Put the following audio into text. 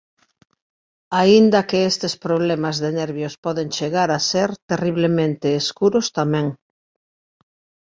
Aínda que estes problemas de nervios poden chegar a ser terriblemente escuros tamén.